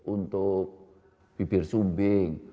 untuk bibir sumbing